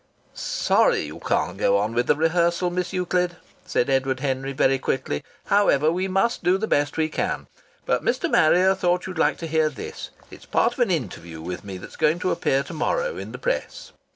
"Sorry you can't go on with the rehearsal, Miss Euclid," said Edward Henry very quickly. "However, we must do the best we can. But Mr. Marrier thought you'd like to hear this. It's part of an interview with me that's going to appear to morrow in the press."